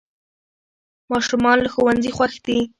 ماشومان له ښوونځي خوښ دي.